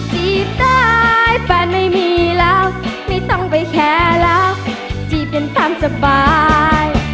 จีบได้แฟนไม่มีแล้วไม่ต้องไปแคร์แล้วจีบกันตามสบาย